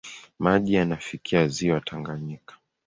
Maji yanafikia ziwa Tanganyika.